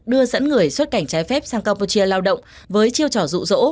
đưa dẫn người xuất cảnh trái phép sang campuchia lao động với chiêu trò dụ dỗ